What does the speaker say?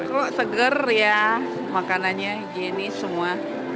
enak segar ya makanannya jenis semua